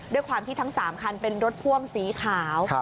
ด้วยความที่ทั้ง๓คันเป็นรถพ่วงสีขาว